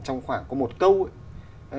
trong khoảng có một câu ấy